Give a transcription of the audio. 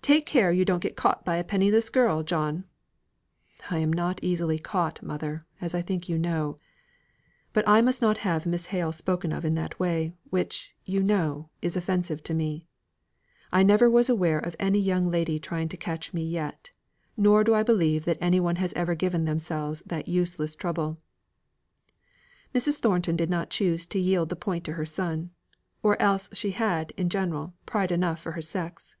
"Take care you don't get caught by a penniless girl, John." "I am not easily caught, mother, as I think you know. But I must not have Miss Hale spoken of in that way, which, you know, is offensive to me. I never was aware of any young lady trying to catch me yet, nor do I believe that any one has ever given themselves that useless trouble." Mrs. Thornton did not choose to yield the point to her son; or else she had, in general, pride enough for her sex.